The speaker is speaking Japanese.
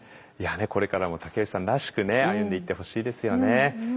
これからも竹内さんらしく歩んでいってほしいですよね。